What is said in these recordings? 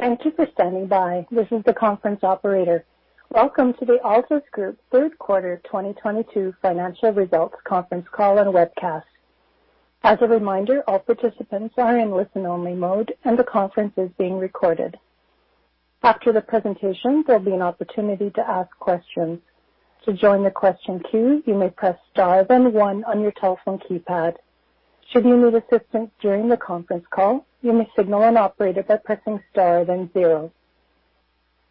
Thank you for standing by. This is the conference operator. Welcome to the Altus Group Q3 2022 financial results conference call and webcast. As a reminder, all participants are in listen-only mode, and the conference is being recorded. After the presentation, there'll be an opportunity to ask questions. To join the question queue, you may press star then one on your telephone keypad. Should you need assistance during the conference call, you may signal an operator by pressing star then zero.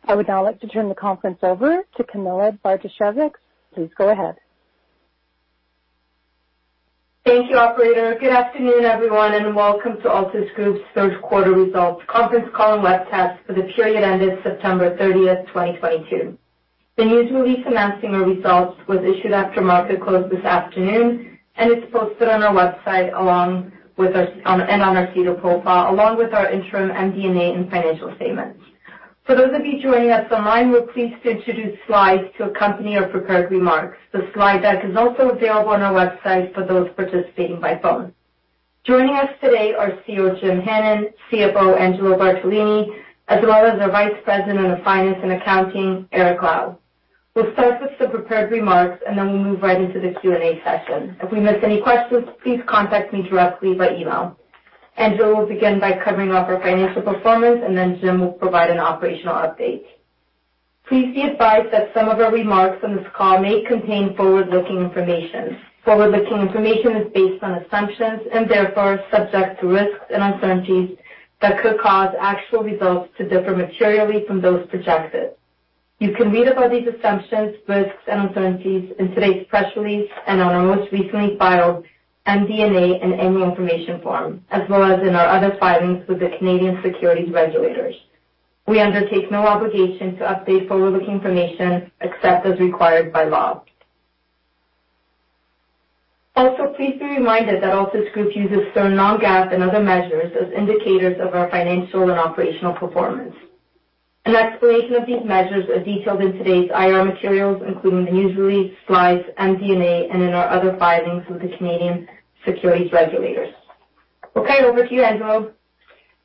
I would now like to turn the conference over to Camilla Bartosiewicz. Please go ahead. Thank you, operator. Good afternoon, everyone, and welcome to Altus Group's Q3 results conference call and webcast for the period ending September 30th, 2022. The news release announcing our results was issued after market close this afternoon, and it's posted on our website and on our SEDAR profile, along with our interim MD&A and financial statements. For those of you joining us online, we're pleased to introduce slides to accompany our prepared remarks. The slide deck is also available on our website for those participating by phone. Joining us today are CEO Jim Hannon, CFO Angelo Bartolini, as well as our Vice President of Finance and Accounting, Eric Lau. We'll start with some prepared remarks, and then we'll move right into the Q&A session. If we miss any questions, please contact me directly by email. Angelo will begin by covering off our financial performance, and then Jim will provide an operational update. Please be advised that some of the remarks on this call may contain forward-looking information. Forward-looking information is based on assumptions and therefore subject to risks and uncertainties that could cause actual results to differ materially from those projected. You can read about these assumptions, risks, and uncertainties in today's press release and on our most recently filed MD&A and annual information form, as well as in our other filings with the Canadian securities regulators. We undertake no obligation to update forward-looking information except as required by law. Also, please be reminded that Altus Group uses certain non-GAAP and other measures as indicators of our financial and operational performance. An explanation of these measures are detailed in today's IR materials, including the news release, slides, MD&A, and in our other filings with the Canadian securities regulators. Okay, over to you, Angelo.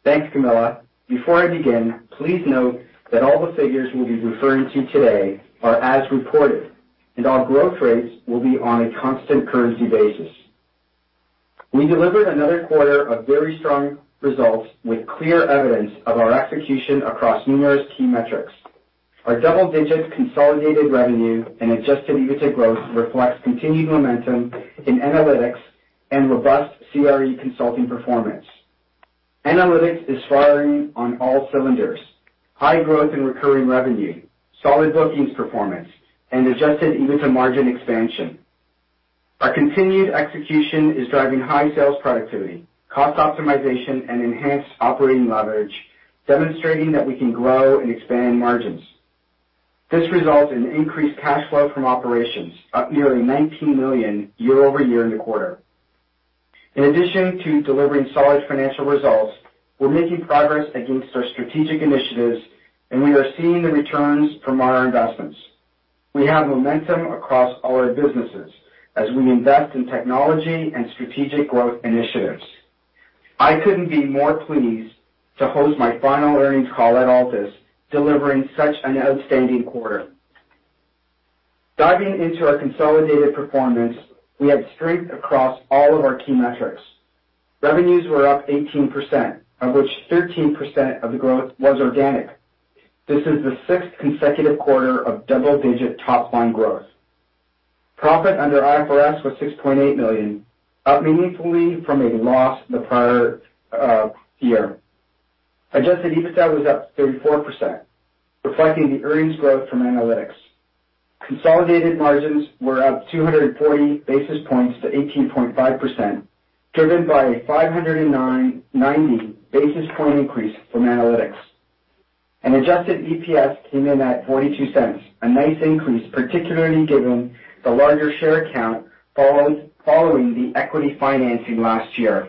Thanks, Camilla. Before I begin, please note that all the figures we'll be referring to today are as reported, and all growth rates will be on a constant currency basis. We delivered another quarter of very strong results with clear evidence of our execution across numerous key metrics. Our double-digit consolidated revenue and Adjusted EBITDA growth reflects continued momentum in analytics and robust CRE consulting performance. Analytics is firing on all cylinders, high growth and recurring revenue, solid bookings performance, and Adjusted EBITDA margin expansion. Our continued execution is driving high sales productivity, cost optimization, and enhanced operating leverage, demonstrating that we can grow and expand margins. This results in increased cash flow from operations, up nearly 19 million year-over-year in the quarter. In addition to delivering solid financial results, we're making progress against our strategic initiatives, and we are seeing the returns from our investments. We have momentum across all our businesses as we invest in technology and strategic growth initiatives. I couldn't be more pleased to host my final earnings call at Altus, delivering such an outstanding quarter. Diving into our consolidated performance, we had strength across all of our key metrics. Revenues were up 18%, of which 13% of the growth was organic. This is the sixth consecutive quarter of double-digit top-line growth. Profit under IFRS was 6.8 million, up meaningfully from a loss the prior year. Adjusted EBITDA was up 34%, reflecting the earnings growth from analytics. Consolidated margins were up 240 basis points to 18.5%, driven by a 590 basis point increase from analytics. Adjusted EPS came in at 0.42, a nice increase, particularly given the larger share count following the equity financing last year.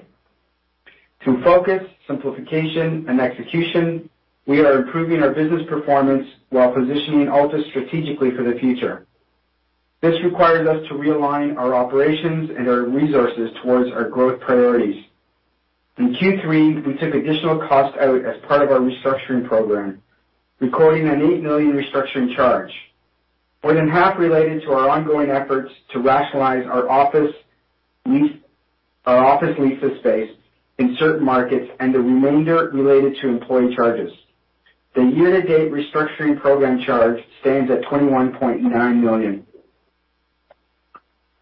Through focus, simplification, and execution, we are improving our business performance while positioning Altus strategically for the future. This requires us to realign our operations and our resources towards our growth priorities. In Q3, we took additional costs out as part of our restructuring program, recording a 8 million restructuring charge, more than half related to our ongoing efforts to rationalize our office leases space in certain markets and the remainder related to employee charges. The year-to-date restructuring program charge stands at 21.9 million.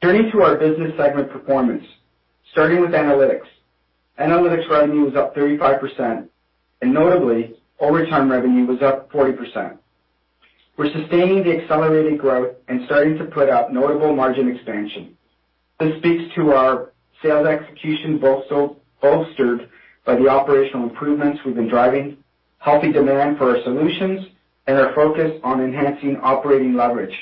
Turning to our business segment performance, starting with analytics. Analytics revenue was up 35%, and notably, recurring revenue was up 40%. We're sustaining the accelerated growth and starting to put up notable margin expansion. This speaks to our sales execution, bolstered by the operational improvements we've been driving, healthy demand for our solutions, and our focus on enhancing operating leverage.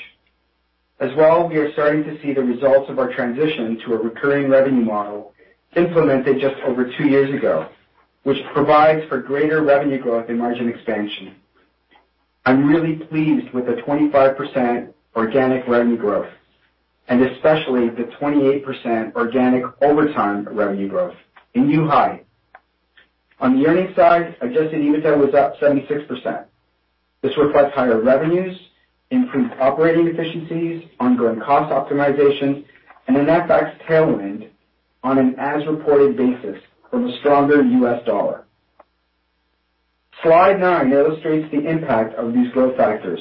As well, we are starting to see the results of our transition to a recurring revenue model implemented just over two years ago, which provides for greater revenue growth and margin expansion. I'm really pleased with the 25% organic revenue growth, and especially the 28% organic recurring revenue growth, a new high. On the earnings side, Adjusted EBITDA was up 76%. This reflects higher revenues, improved operating efficiencies, ongoing cost optimization, and an FX tailwind on an as-reported basis from a stronger US dollar. Slide nine illustrates the impact of these growth factors,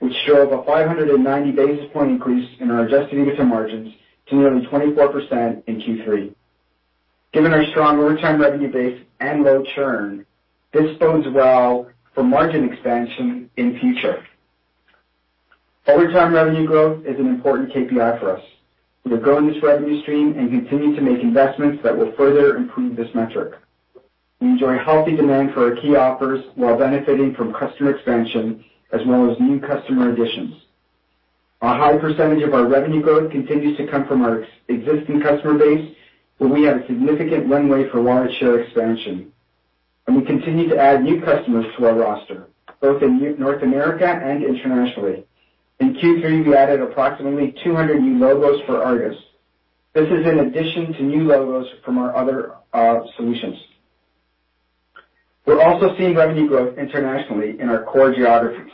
which shows a 590 basis point increase in our Adjusted EBITDA margins to nearly 24% in Q3. Given our strong overtime revenue base and low churn, this bodes well for margin expansion in future. Overtime revenue growth is an important KPI for us. We are growing this revenue stream and continue to make investments that will further improve this metric. We enjoy healthy demand for our key offers while benefiting from customer expansion as well as new customer additions. A high percentage of our revenue growth continues to come from our existing customer base, but we have a significant runway for large share expansion. We continue to add new customers to our roster, both in North America and internationally. In Q3, we added approximately 200 new logos for ARGUS. This is in addition to new logos from our other solutions. We're also seeing revenue growth internationally in our core geographies.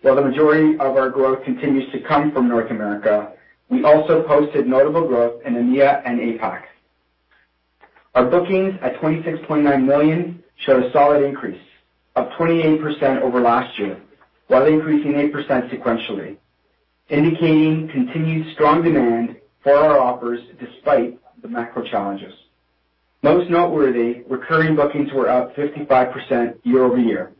While the majority of our growth continues to come from North America, we also posted notable growth in EMEA and APAC. Our bookings at 26.9 million show a solid increase of 28% over last year, while increasing 8% sequentially, indicating continued strong demand for our offers despite the macro challenges. Most noteworthy, recurring bookings were up 55% year-over-year.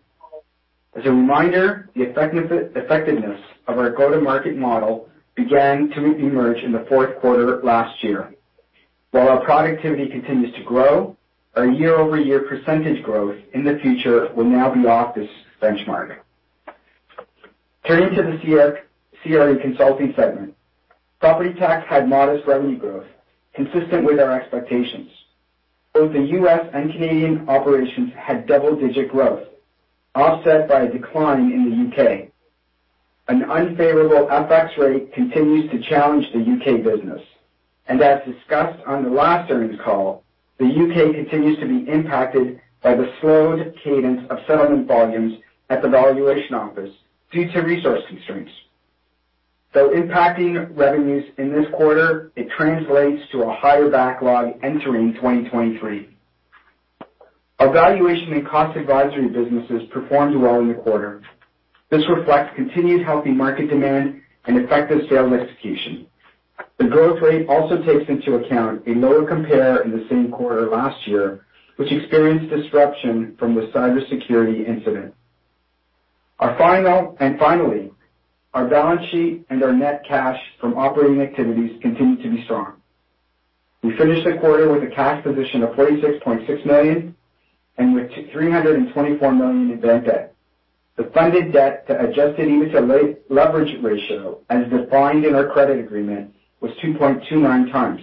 As a reminder, the effectiveness of our go-to-market model began to emerge in the Q4 last year. While our productivity continues to grow, our year-over-year percentage growth in the future will now be off this benchmark. Turning to the CRE consulting segment. Property tax had modest revenue growth consistent with our expectations. Both the U.S. and Canadian operations had double-digit growth, offset by a decline in the U.K. An unfavorable FX rate continues to challenge the U.K. business. As discussed on the last earnings call, the UK continues to be impacted by the slowed cadence of settlement volumes at the Valuation Office Agency due to resource constraints. Though impacting revenues in this quarter, it translates to a higher backlog entering 2023. Our valuation and cost advisory businesses performed well in the quarter. This reflects continued healthy market demand and effective sales execution. The growth rate also takes into account a lower compare in the same quarter last year, which experienced disruption from the cybersecurity incident. Finally, our balance sheet and our net cash from operating activities continue to be strong. We finished the quarter with a cash position of 46.6 million and with 324 million in bank debt. The funded debt to Adjusted EBITDA leverage ratio, as defined in our credit agreement, was 2.29x,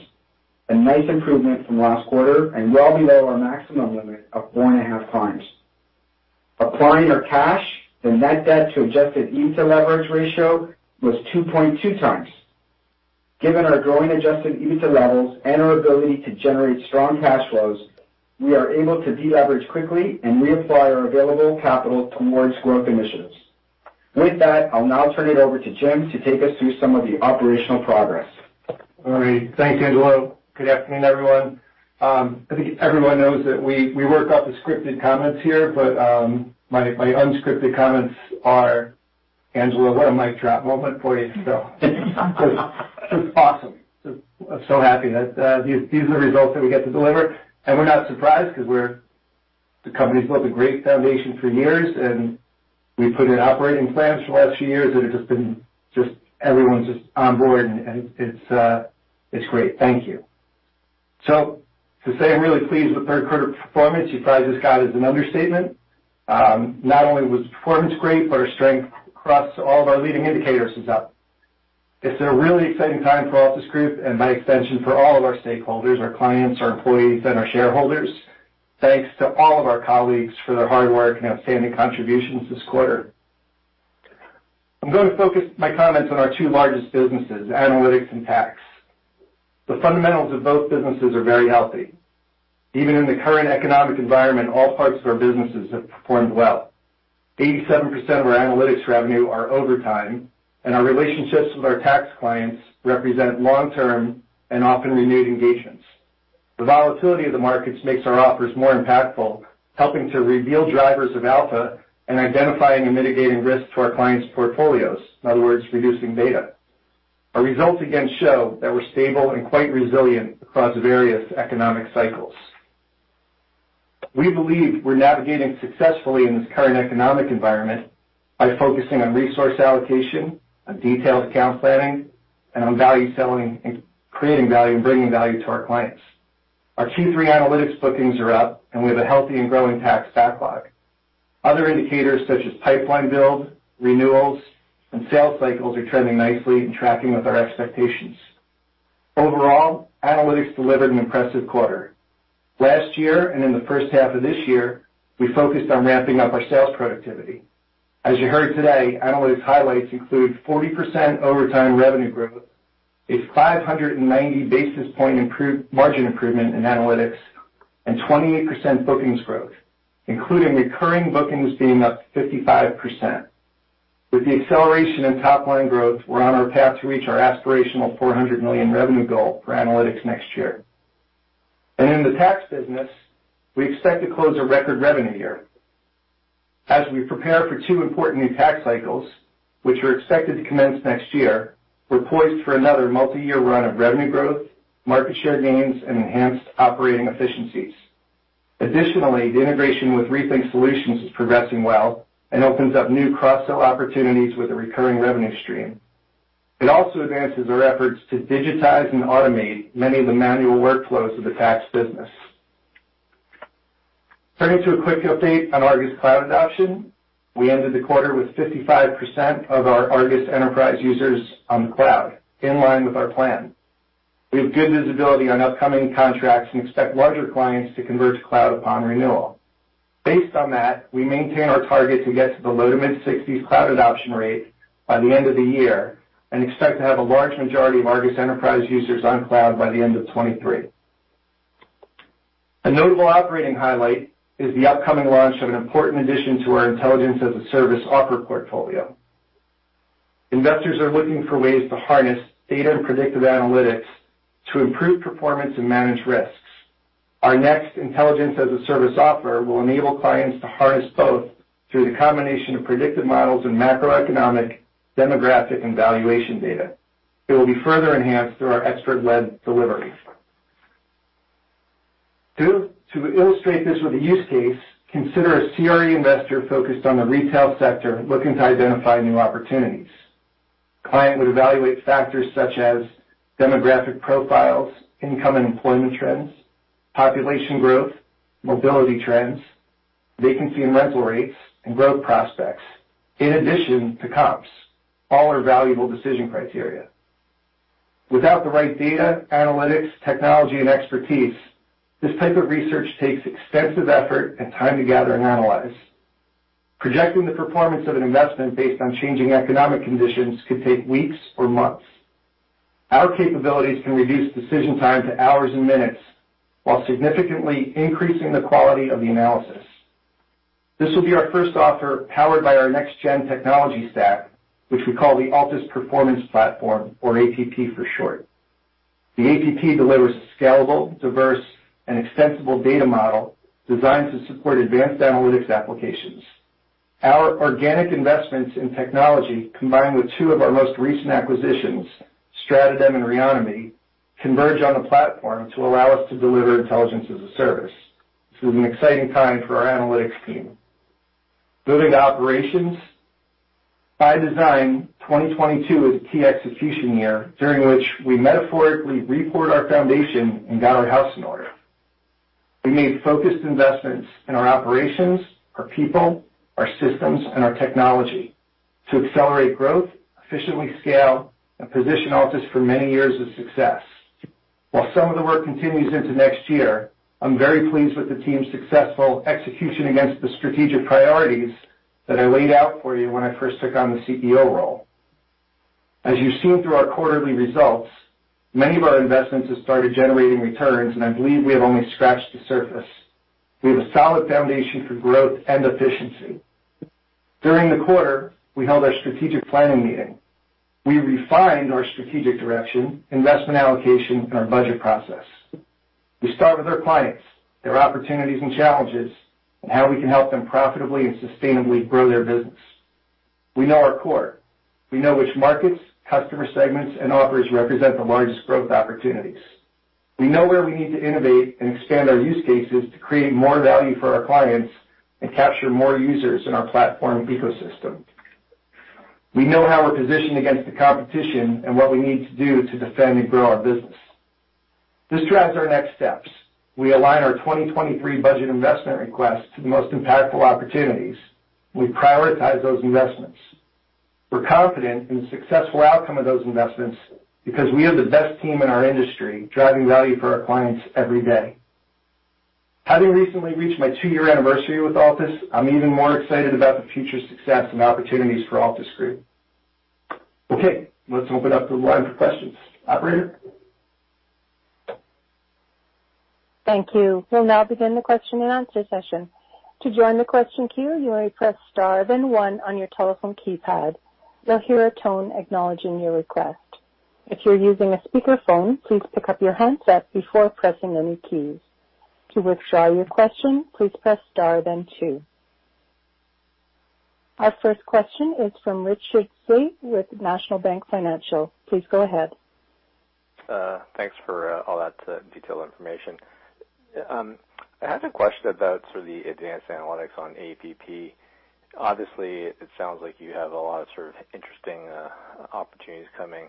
a nice improvement from last quarter and well below our maximum limit of 4.5x. Applying our cash, the net debt to Adjusted EBITDA leverage ratio was 2.2x. Given our growing Adjusted EBITDA levels and our ability to generate strong cash flows, we are able to deleverage quickly and reapply our available capital towards growth initiatives. With that, I'll now turn it over to Jim to take us through some of the operational progress. All right. Thanks, Angelo. Good afternoon, everyone. I think everyone knows that we work off the scripted comments here, but my unscripted comments are, Angelo, what a mic drop moment for you. Just awesome. I'm so happy that these are the results that we get to deliver. We're not surprised because the company's built a great foundation for years, and we put in operating plans for the last few years that have just been everyone's on board, and it's great. Thank you. To say I'm really pleased with Q3 performance you probably just got is an understatement. Not only was the performance great, but our strength across all of our leading indicators is up. It's a really exciting time for Altus Group and by extension for all of our stakeholders, our clients, our employees, and our shareholders. Thanks to all of our colleagues for their hard work and outstanding contributions this quarter. I'm going to focus my comments on our two largest businesses, analytics and tax. The fundamentals of both businesses are very healthy. Even in the current economic environment, all parts of our businesses have performed well. 87% of our analytics revenue are over time, and our relationships with our tax clients represent long-term and often renewed engagements. The volatility of the markets makes our offers more impactful, helping to reveal drivers of alpha and identifying and mitigating risk to our clients' portfolios. In other words, reducing beta. Our results again show that we're stable and quite resilient across various economic cycles. We believe we're navigating successfully in this current economic environment by focusing on resource allocation, on detailed account planning, and on value selling and creating value and bringing value to our clients. Our Q3 analytics bookings are up, and we have a healthy and growing tax backlog. Other indicators such as pipeline build, renewals, and sales cycles are trending nicely and tracking with our expectations. Overall, analytics delivered an impressive quarter. Last year and in the first half of this year, we focused on ramping up our sales productivity. As you heard today, analytics highlights include 40% year-over-year revenue growth, a 590 basis point margin improvement in analytics, and 28% bookings growth, including recurring bookings being up 55%. With the acceleration in top line growth, we're on our path to reach our aspirational 400 million revenue goal for analytics next year. In the tax business, we expect to close a record revenue year. As we prepare for two important new tax cycles, which are expected to commence next year, we're poised for another multiyear run of revenue growth, market share gains, and enhanced operating efficiencies. Additionally, the integration with Rethink Solutions is progressing well and opens up new cross-sell opportunities with a recurring revenue stream. It also advances our efforts to digitize and automate many of the manual workflows of the tax business. Turning to a quick update on ARGUS Cloud adoption. We ended the quarter with 55% of our ARGUS Enterprise users on the cloud, in line with our plan. We have good visibility on upcoming contracts and expect larger clients to convert to cloud upon renewal. Based on that, we maintain our target to get to the low- to mid-60s% cloud adoption rate by the end of the year, and expect to have a large majority of ARGUS Enterprise users on cloud by the end of 2023. A notable operating highlight is the upcoming launch of an important addition to our Intelligence as a Service offer portfolio. Investors are looking for ways to harness data and predictive analytics to improve performance and manage risks. Our next Intelligence as a Service offer will enable clients to harness both through the combination of predictive models and macroeconomic, demographic, and valuation data. It will be further enhanced through our expert-led delivery. To illustrate this with a use case, consider a CRE investor focused on the retail sector looking to identify new opportunities. Client would evaluate factors such as demographic profiles, income and employment trends, population growth, mobility trends, vacancy and rental rates, and growth prospects. In addition to comps, all are valuable decision criteria. Without the right data, analytics, technology, and expertise, this type of research takes extensive effort and time to gather and analyze. Projecting the performance of an investment based on changing economic conditions could take weeks or months. Our capabilities can reduce decision time to hours and minutes while significantly increasing the quality of the analysis. This will be our first offer powered by our next gen technology stack, which we call the Altus Performance Platform or APP for short. The APP delivers scalable, diverse, and extensible data model designed to support advanced analytics applications. Our organic investments in technology, combined with two of our most recent acquisitions, StratoDem Analytics and Reonomy, converge on the platform to allow us to deliver Intelligence as a Service. This is an exciting time for our analytics team. Moving to operations. By design, 2022 is a key execution year during which we metaphorically repoured our foundation and got our house in order. We made focused investments in our operations, our people, our systems, and our technology to accelerate growth, efficiently scale, and position Altus for many years of success. While some of the work continues into next year, I'm very pleased with the team's successful execution against the strategic priorities that I laid out for you when I first took on the CEO role. As you've seen through our quarterly results, many of our investments have started generating returns, and I believe we have only scratched the surface. We have a solid foundation for growth and efficiency. During the quarter, we held our strategic planning meeting. We refined our strategic direction, investment allocation, and our budget process. We start with our clients, their opportunities and challenges, and how we can help them profitably and sustainably grow their business. We know our core. We know which markets, customer segments, and offers represent the largest growth opportunities. We know where we need to innovate and expand our use cases to create more value for our clients and capture more users in our platform ecosystem. We know how we're positioned against the competition and what we need to do to defend and grow our business. This drives our next steps. We align our 2023 budget investment requests to the most impactful opportunities. We prioritize those investments. We're confident in the successful outcome of those investments because we have the best team in our industry driving value for our clients every day. Having recently reached my two-year anniversary with Altus, I'm even more excited about the future success and opportunities for Altus Group. Okay, let's open up the line for questions. Operator? Thank you. We'll now begin the question-and-answer session. To join the question queue, you may press star then one on your telephone keypad. You'll hear a tone acknowledging your request. If you're using a speakerphone, please pick up your handset before pressing any keys. To withdraw your question, please press star then two. Our first question is from Richard Tse with National Bank Financial. Please go ahead. Thanks for all that detailed information. I had a question about sort of the advanced analytics on APP. Obviously, it sounds like you have a lot of sort of interesting opportunities coming.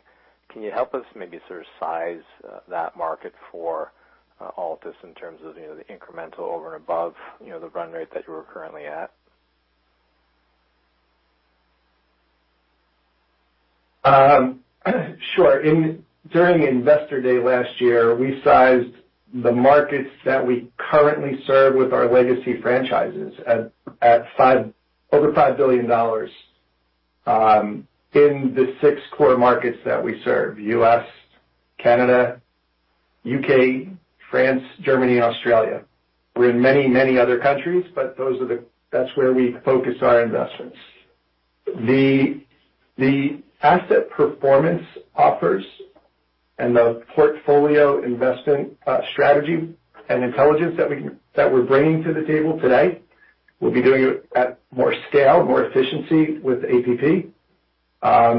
Can you help us maybe sort of size that market for Altus in terms of, you know, the incremental over and above, you know, the run rate that you are currently at? Sure. During Investor Day last year, we sized the markets that we currently serve with our legacy franchises at over $5 billion in the six core markets that we serve: U.S., Canada, U.K., France, Germany, Australia. We're in many, many other countries, but that's where we focus our investments. The asset performance offers and the portfolio investment strategy and intelligence that we're bringing to the table today, we'll be doing it at more scale, more efficiency with APP,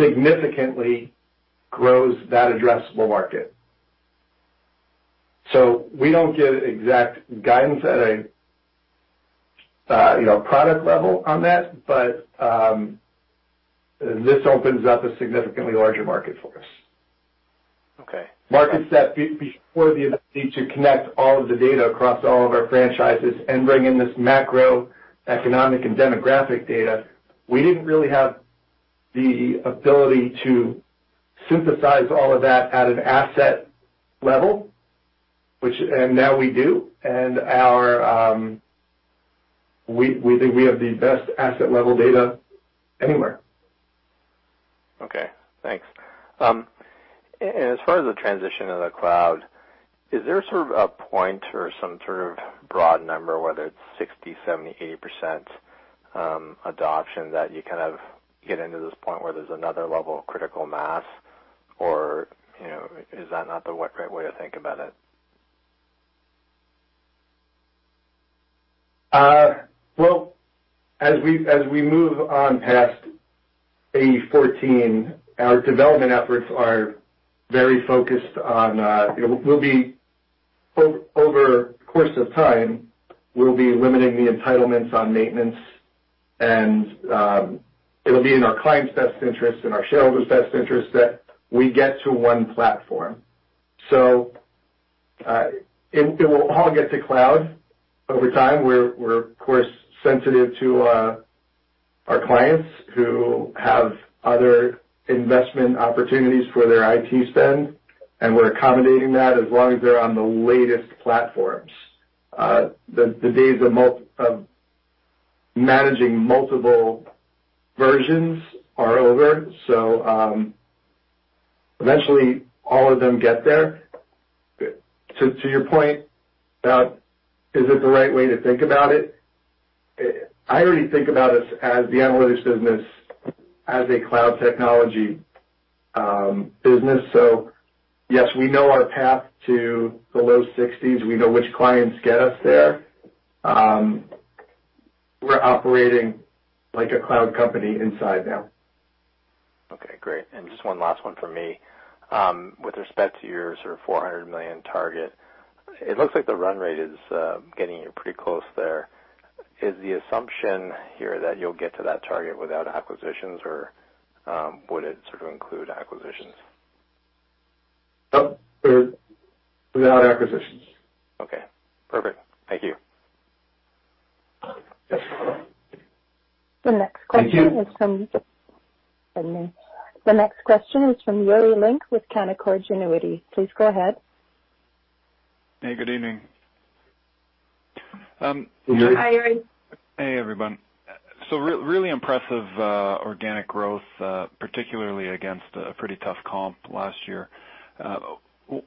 significantly grows that addressable market. We don't give exact guidance at a product level on that, but this opens up a significantly larger market for us. Okay. Before the ability to connect all of the data across all of our franchises and bring in this macroeconomic and demographic data, we didn't really have the ability to synthesize all of that at an asset level. Now we do. We think we have the best asset level data anywhere. Okay. Thanks. As far as the transition to the cloud, is there sort of a point or some sort of broad number, whether it's 60%, 70%, 80% adoption that you kind of get into this point where there's another level of critical mass? Or, you know, is that not the right way to think about it? Well, as we move on past AE 14, our development efforts are very focused on, you know, we'll be limiting the entitlements on maintenance. Over the course of time, we'll be limiting the entitlements on maintenance. It'll be in our clients' best interest and our shareholders' best interest that we get to one platform. It will all get to cloud over time. We're of course sensitive to our clients who have other investment opportunities for their IT spend, and we're accommodating that as long as they're on the latest platforms. The days of managing multiple versions are over, so eventually all of them get there. To your point about is it the right way to think about it, I already think about us as the analytics business, as a cloud technology business. Yes, we know our path to the low sixties. We know which clients get us there. We're operating like a cloud company inside now. Okay. Great. Just one last one from me. With respect to your sort of 400 million target, it looks like the run rate is getting you pretty close there. Is the assumption here that you'll get to that target without acquisitions, or would it sort of include acquisitions? No. Without acquisitions. Okay. Perfect. Thank you. Yes. The next question is from. Thank you. Pardon me. The next question is from Yuri Lynk with Canaccord Genuity. Please go ahead. Hey, good evening. Yuri. Hi, Yuri. Hey, everyone. Really impressive organic growth, particularly against a pretty tough comp last year.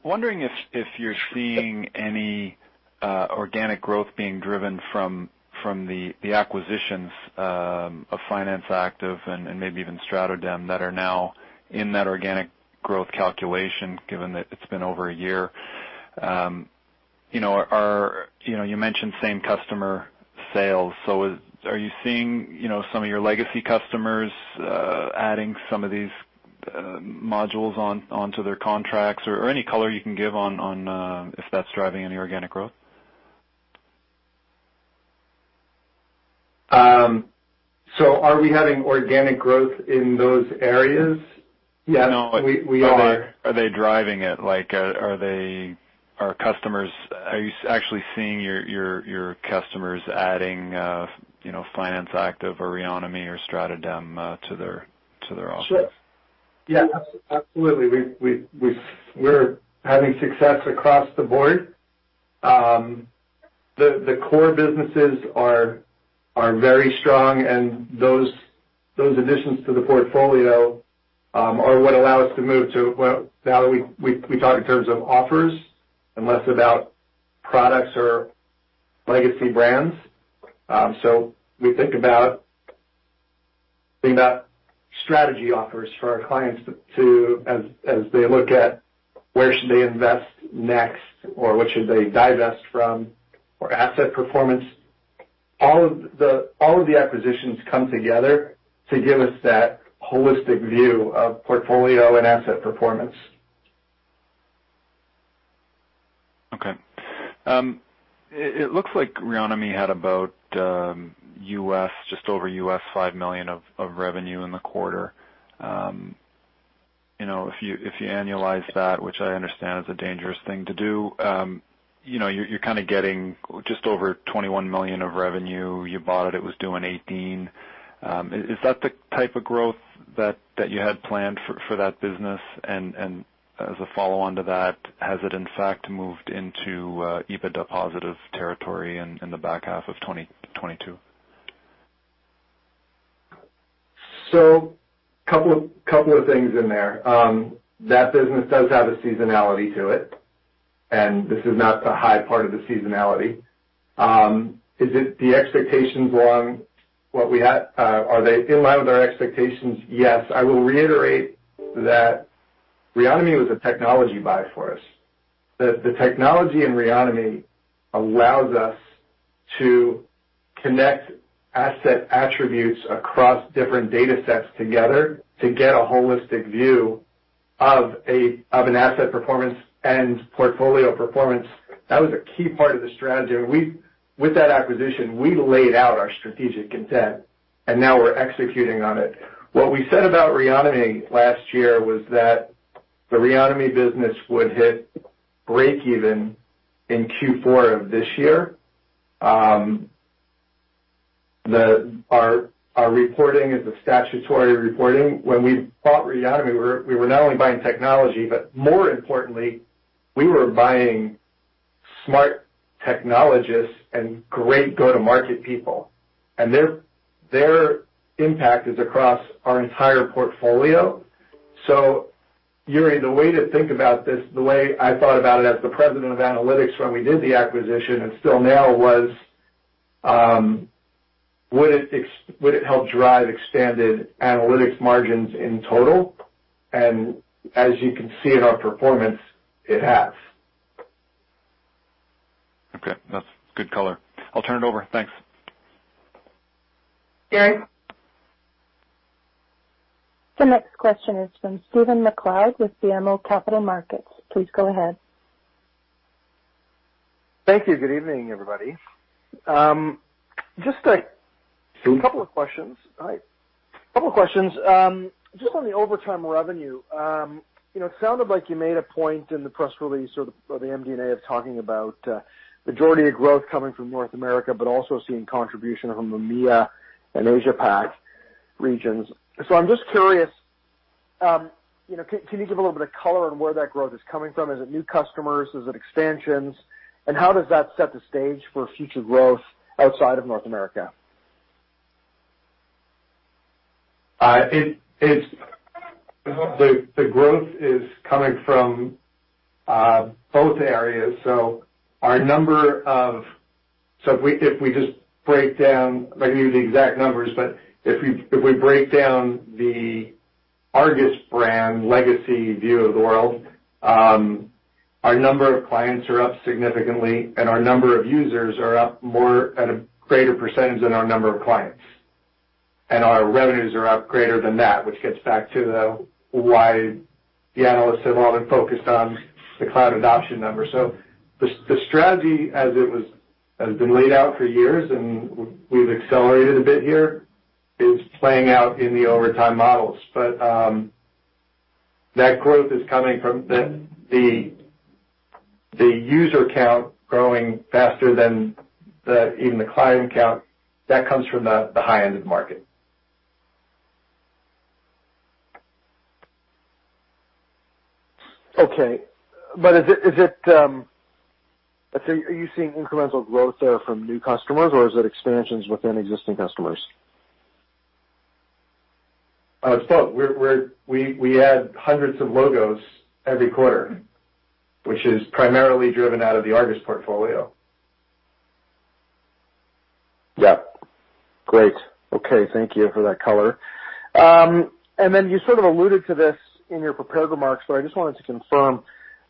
Wondering if you're seeing any organic growth being driven from the acquisitions of Finance Active and maybe even StratoDem that are now in that organic growth calculation, given that it's been over a year. You know, you mentioned same customer sales. Are you seeing some of your legacy customers adding some of these modules onto their contracts? Or any color you can give on if that's driving any organic growth. Are we having organic growth in those areas? Yes, we are. No. Are they driving it? Like, are you actually seeing your customers adding, you know, Finance Active or Reonomy or StratoDem to their offers? Sure. Yeah. Absolutely. We're having success across the board. The core businesses are very strong, and those additions to the portfolio are what allow us to move to, well, now we talk in terms of offers and less about products or legacy brands. So we think about strategy offers for our clients to, as they look at where should they invest next or what should they divest from or asset performance. All of the acquisitions come together to give us that holistic view of portfolio and asset performance. Okay. It looks like Reonomy had about just over $5 million of revenue in the quarter. You know, if you annualize that, which I understand is a dangerous thing to do, you know, you're kinda getting just over $21 million of revenue. You bought it was doing 18. Is that the type of growth that you had planned for that business? As a follow-on to that, has it in fact moved into EBITDA positive territory in the back half of 2022? Couple of things in there. That business does have a seasonality to it, and this is not the high part of the seasonality. Are they in line with our expectations? Yes. I will reiterate that Reonomy was a technology buy for us. The technology in Reonomy allows us to connect asset attributes across different data sets together to get a holistic view of an asset performance and portfolio performance. That was a key part of the strategy. With that acquisition, we laid out our strategic intent, and now we're executing on it. What we said about Reonomy last year was that the Reonomy business would hit breakeven in Q4 of this year. Our reporting is a statutory reporting. When we bought Reonomy, we were not only buying technology, but more importantly, we were buying smart technologists and great go-to-market people. Their impact is across our entire portfolio. Yuri, the way to think about this, the way I thought about it as the President of Analytics when we did the acquisition and still now was, would it help drive expanded analytics margins in total? As you can see in our performance, it has. Okay. That's good color. I'll turn it over. Thanks. Gary. The next question is from Stephen MacLeod with BMO Capital Markets. Please go ahead. Thank you. Good evening, everybody. Steph. Hi. Couple of questions. Just on the recurring revenue, you know, it sounded like you made a point in the press release or the MD&A of talking about majority of growth coming from North America, but also seeing contribution from EMEA and Asia PAC regions. I'm just curious, you know, can you give a little bit of color on where that growth is coming from? Is it new customers? Is it expansions? And how does that set the stage for future growth outside of North America? The growth is coming from both areas. If we just break down, I can give you the exact numbers, but if we break down the ARGUS brand legacy view of the world, our number of clients are up significantly, and our number of users are up more at a greater percentage than our number of clients. Our revenues are up greater than that, which gets back to why the analysts have all been focused on the cloud adoption number. The strategy has been laid out for years, and we've accelerated a bit here, is playing out in the overtime models. That growth is coming from the user count growing faster than even the client count. That comes from the high-end market. Let's say, are you seeing incremental growth there from new customers, or is it expansions within existing customers? It's both. We add hundreds of logos every quarter, which is primarily driven out of the ARGUS portfolio. Yeah. Great. Okay. Thank you for that color. You sort of alluded to this in your prepared remarks, so I just wanted to confirm,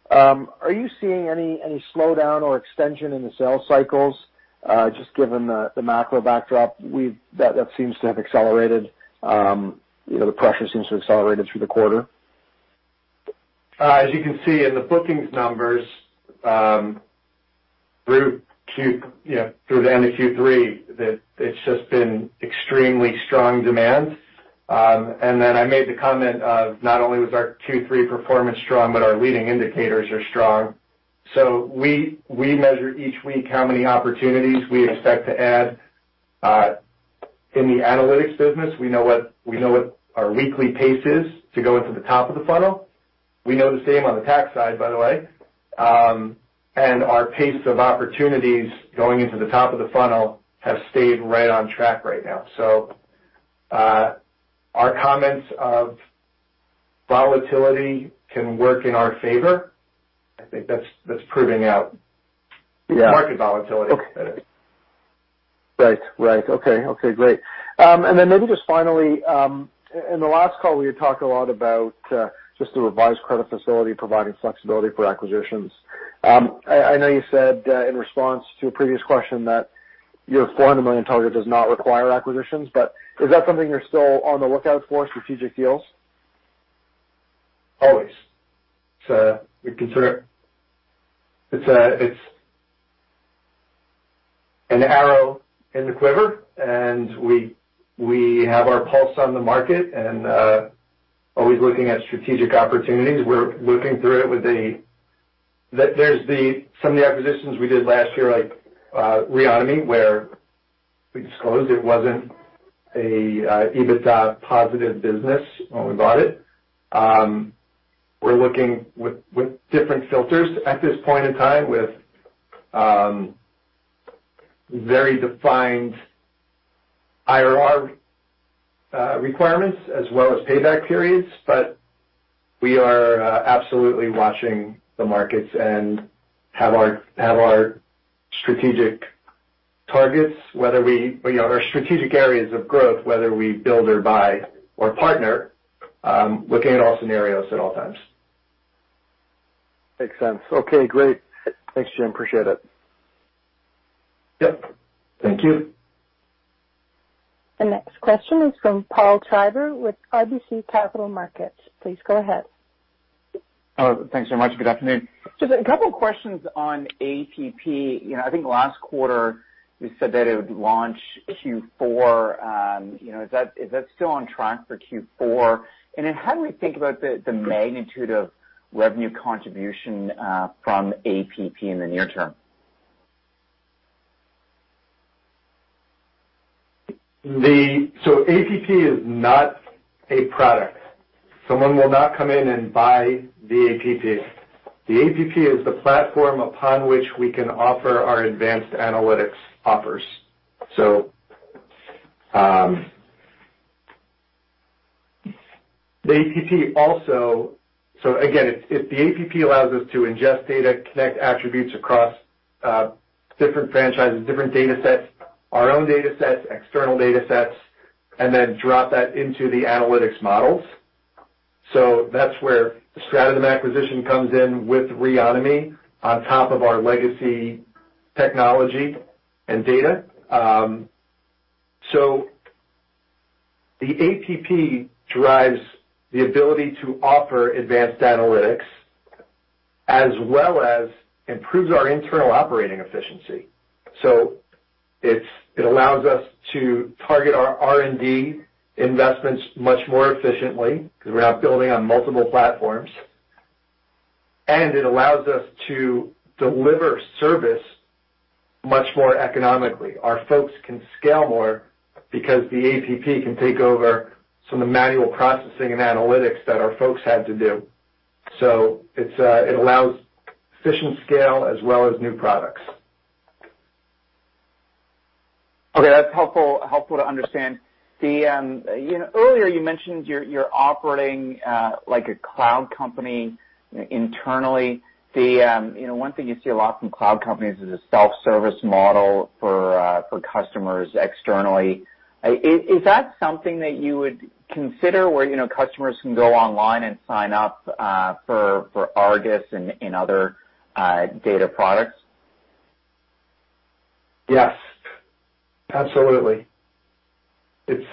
are you seeing any slowdown or extension in the sales cycles, just given the macro backdrop that seems to have accelerated, you know, the pressure seems to have accelerated through the quarter? As you can see in the bookings numbers, through Q, you know, through the end of Q3, that it's just been extremely strong demand. I made the comment of not only was our Q3 performance strong, but our leading indicators are strong. We measure each week how many opportunities we expect to add in the analytics business. We know what our weekly pace is to go into the top of the funnel. We know the same on the tax side, by the way. Our pace of opportunities going into the top of the funnel has stayed right on track right now. Our comments of volatility can work in our favor. I think that's proving out. Yeah. Market volatility, that is. Right. Okay, great. Maybe just finally, in the last call, we had talked a lot about just the revised credit facility providing flexibility for acquisitions. I know you said in response to a previous question that your 400 million target does not require acquisitions. Is that something you're still on the lookout for, strategic deals? Always. It's an arrow in the quiver, and we have our pulse on the market and always looking at strategic opportunities. We're looking through it. Some of the acquisitions we did last year, like Reonomy, where we disclosed it wasn't a EBITDA positive business when we bought it. We're looking with different filters at this point in time, with very defined IRR requirements as well as payback periods. We are absolutely watching the markets and have our strategic targets, whether we—you know, our strategic areas of growth, whether we build or buy or partner, looking at all scenarios at all times. Makes sense. Okay, great. Thanks, Jim. Appreciate it. Yep. Thank you. The next question is from Paul Treiber with RBC Capital Markets. Please go ahead. Hello. Thanks so much. Good afternoon. Just a couple of questions on APP. You know, I think last quarter you said that it would launch Q4. You know, is that still on track for Q4? And then how do we think about the magnitude of revenue contribution from APP in the near term? APP is not a product. Someone will not come in and buy the APP. The APP is the platform upon which we can offer our advanced analytics offers. The APP also allows us to ingest data, connect attributes across different franchises, different datasets, our own datasets, external datasets, and then drop that into the analytics models. That's where the StratoDem acquisition comes in with Reonomy on top of our legacy technology and data. The APP drives the ability to offer advanced analytics as well as improves our internal operating efficiency. It allows us to target our R&D investments much more efficiently because we're not building on multiple platforms, and it allows us to deliver service much more economically. Our folks can scale more because the APP can take over some of the manual processing and analytics that our folks had to do. It allows efficient scale as well as new products. Okay, that's helpful to understand. The, you know, earlier you mentioned you're operating like a cloud company internally. The, you know, one thing you see a lot from cloud companies is a self-service model for customers externally. Is that something that you would consider where, you know, customers can go online and sign up for ARGUS and other data products? Yes, absolutely. It's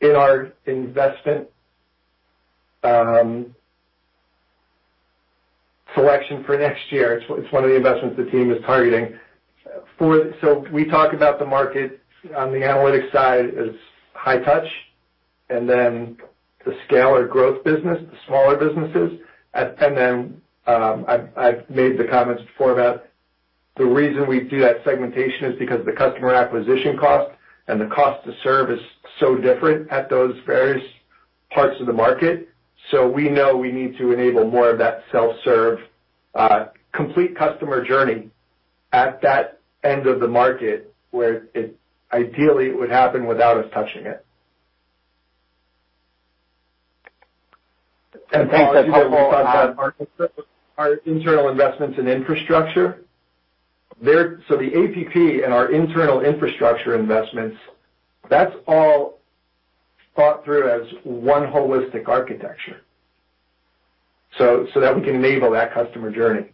in our investment selection for next year. It's one of the investments the team is targeting. We talk about the market on the analytics side as high touch and then the scale or growth business, the smaller businesses. I've made the comments before that the reason we do that segmentation is because the customer acquisition cost and the cost to serve is so different at those various parts of the market. We know we need to enable more of that self-serve complete customer journey at that end of the market, where it ideally would happen without us touching it. Thanks for that helpful thought. Our internal investments in infrastructure. The APP and our internal infrastructure investments, that's all thought through as one holistic architecture, so that we can enable that customer journey.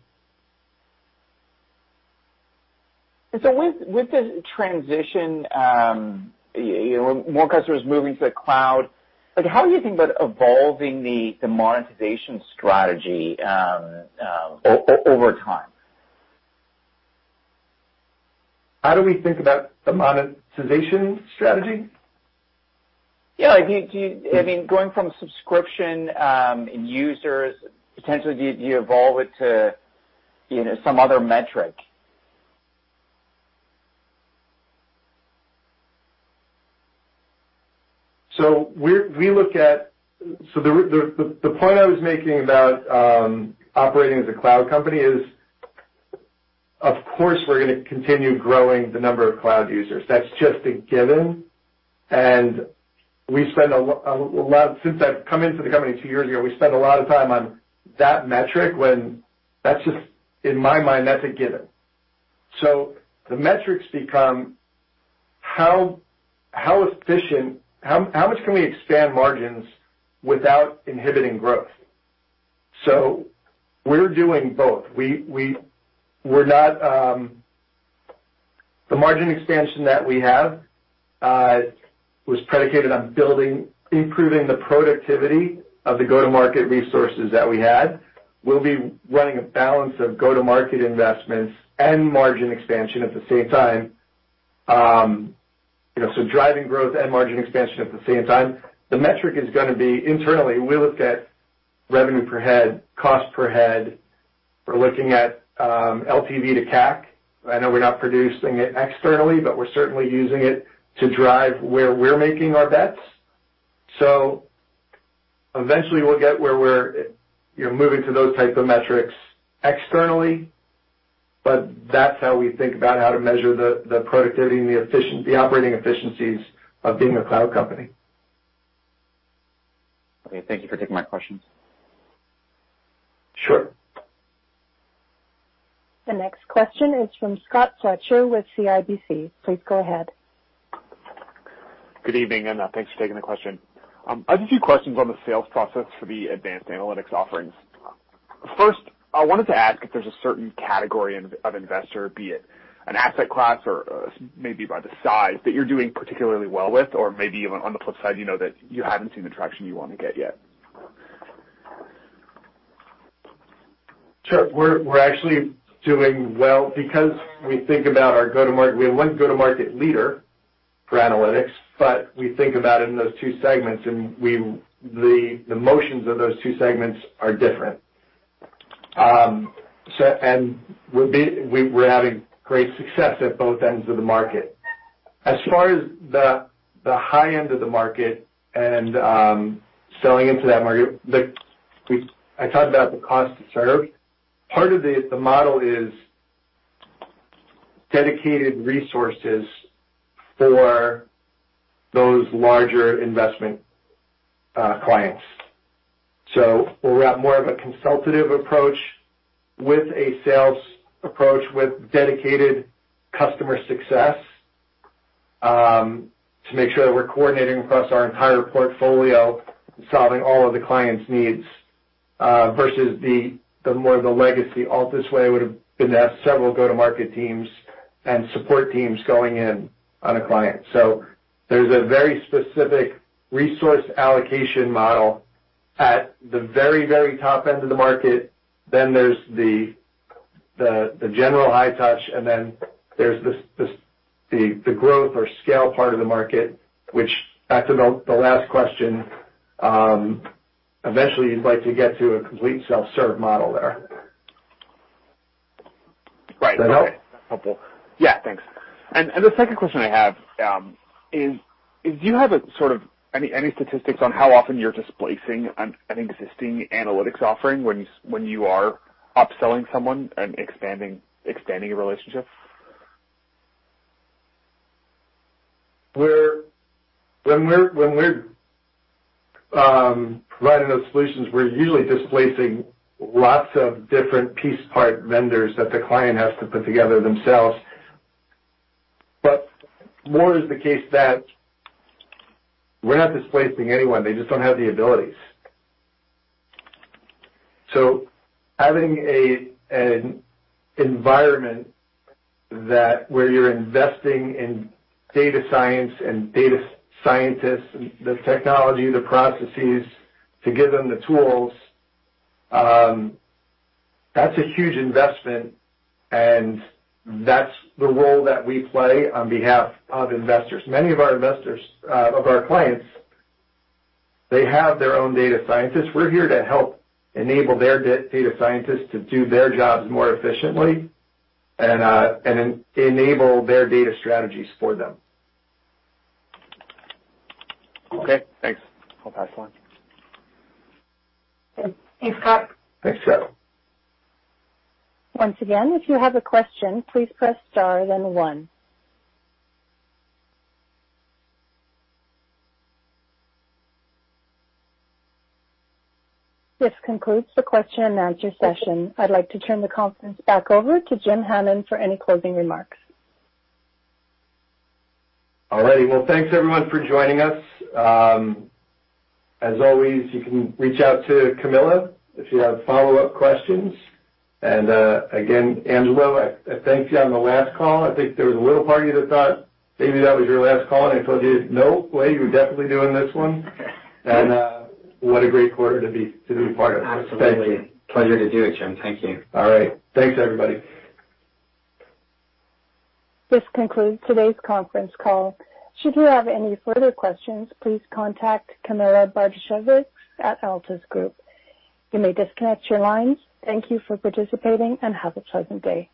With the transition, you know, more customers moving to the cloud, like how do you think about evolving the monetization strategy, over time? How do we think about the monetization strategy? Yeah. Do you, I mean, going from subscription and users, potentially, evolve it to, you know, some other metric? The point I was making about operating as a cloud company is, of course, we're gonna continue growing the number of cloud users. That's just a given. Since I've come into the company two years ago, we spend a lot of time on that metric when that's just, in my mind, that's a given. The metrics become how much can we expand margins without inhibiting growth? We're doing both. The margin expansion that we have was predicated on improving the productivity of the go-to-market resources that we had. We'll be running a balance of go-to-market investments and margin expansion at the same time. Driving growth and margin expansion at the same time. The metric is gonna be internally, we look at revenue per head, cost per head. We're looking at LTV to CAC. I know we're not producing it externally, but we're certainly using it to drive where we're making our bets. Eventually we'll get where we're, you know, moving to those type of metrics externally. That's how we think about how to measure the productivity and the efficiency, the operating efficiencies of being a cloud company. Okay. Thank you for taking my question. Sure. The next question is from Scott Fletcher with CIBC. Please go ahead. Good evening, and thanks for taking the question. I have a few questions on the sales process for the advanced analytics offerings. First, I wanted to ask if there's a certain category of investor, be it an asset class or maybe by the size that you're doing particularly well with or maybe even on the flip side, you know, that you haven't seen the traction you want to get yet. Sure. We're actually doing well because we think about our go-to-market. We have one go-to-market leader for analytics, but we think about it in those two segments, and the motions of those two segments are different. We're having great success at both ends of the market. As far as the high-end of the market and selling into that market, I talked about the cost to serve. Part of the model is dedicated resources for those larger investment clients. We'll have more of a consultative approach with a sales approach with dedicated customer success, to make sure that we're coordinating across our entire portfolio, solving all of the client's needs, versus the more legacy Altus way would have been to have several go-to-market teams and support teams going in on a client. There's a very specific resource allocation model at the very, very top end of the market. There's the general high touch, and then there's the growth or scale part of the market, which back to the last question, eventually you'd like to get to a complete self-serve model there. Right. Does that help? Yeah, thanks. The second question I have is, do you have a sort of any statistics on how often you're displacing an existing analytics offering when you are upselling someone and expanding a relationship? When we're providing those solutions, we're usually displacing lots of different piece part vendors that the client has to put together themselves. More is the case that we're not displacing anyone. They just don't have the abilities. Having an environment where you're investing in data science and data scientists, the technology, the processes to give them the tools, that's a huge investment, and that's the role that we play on behalf of investors. Many of our investors of our clients, they have their own data scientists. We're here to help enable their data scientists to do their jobs more efficiently and enable their data strategies for them. Okay, thanks. I'll pass along. Thanks, Scott. Thanks, Scott. Once again, if you have a question, please press star then one. This concludes the question and answer session. I'd like to turn the conference back over to Jim Hannon for any closing remarks. All righty. Well, thanks everyone for joining us. As always, you can reach out to Camilla if you have follow-up questions. Again, Angelo, I thanked you on the last call. I think there was a little part of you that thought maybe that was your last call, and I told you, "Nope. Wait, you are definitely doing this one." What a great quarter to be part of. Absolutely. Thank you. Pleasure to do it, Jim. Thank you. All right. Thanks, everybody. This concludes today's conference call. Should you have any further questions, please contact Camilla Bartosiewicz at Altus Group. You may disconnect your lines. Thank you for participating, and have a pleasant day.